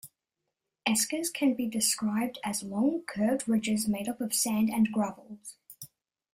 Eskers can be describes as long, curved ridges made up of sands and gravels.